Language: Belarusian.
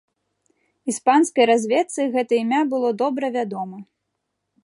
Іспанскай разведцы гэта імя было добра вядома.